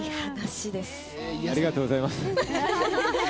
ありがとうございます。